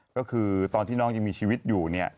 ก็คือตอนที่น้องยังมีชีวิตอยู่เนี่ย